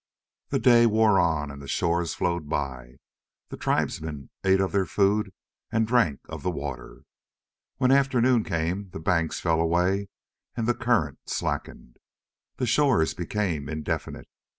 The day wore on and the shores flowed by. The tribesmen ate of their food and drank of the river. When afternoon came the banks fell away and the current slackened. The shores became indefinite.